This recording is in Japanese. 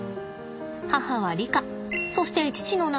母はリカそして父の名前はアフ。